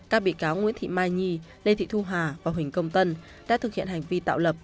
các bị cáo nguyễn thị mai nhi lê thị thu hà và huỳnh công tân đã thực hiện hành vi tạo lập